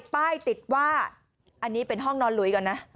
ป้ายติดว่าอันนี้เป็นห้องนอนหลุยก่อนนะ